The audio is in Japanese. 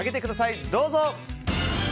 どうぞ。